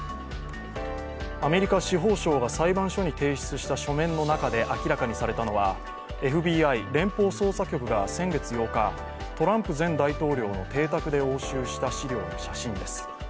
アメリカ司法省が裁判所に提出した書面の中で明らかにされたのはＦＢＩ＝連邦捜査局が先月８日、トランプ前大統領の邸宅で押収した資料の写真です。